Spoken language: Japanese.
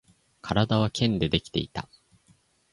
体は剣でできていた